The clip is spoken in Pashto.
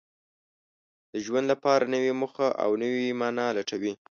د ژوند لپاره نوې موخه او نوې مانا لټوي.